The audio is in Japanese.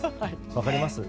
分かります。